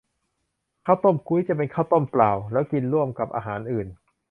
ข้าวต้มกุ๊ย จะเป็นข้าวต้มเปล่า แล้วกินร่วมกับอาหารอื่น